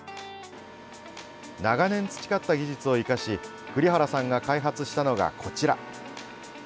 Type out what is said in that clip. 長年培った技術を生かし栗原さんが開発したのが、こちら。